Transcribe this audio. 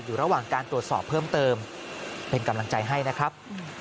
อยู่ระหว่างการตรวจสอบเพิ่มเติมเป็นกำลังใจให้นะครับ